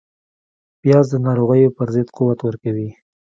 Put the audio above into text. پیاز د ناروغیو پر ضد قوت ورکوي